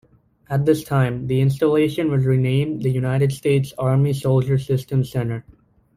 At this time the installation was renamed the United States Army Soldier Systems Center.